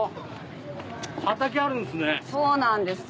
畑あるんすね。